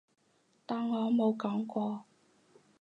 當我冇講過